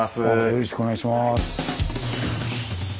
よろしくお願いします。